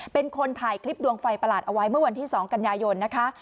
เป็นคนถ่ายคลิปดวงไฟประหลาดเอาไว้เมื่อวันที่๒กันยายนนะคะ